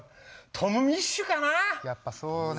トム・ミッシュね。